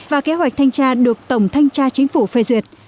và kế hoạch thanh tra được tổng thanh tra chính phủ phê duyệt